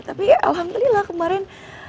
tapi ya alhamdulillah kemarin